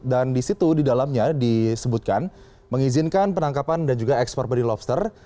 dan disitu di dalamnya disebutkan mengizinkan penangkapan dan juga ekspor benih lobster